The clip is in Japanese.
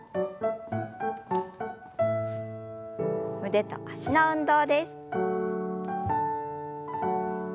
腕と脚の運動です。